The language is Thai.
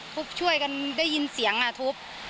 ทุบทั่วท่านมาได้ยินเสียงนะทุบ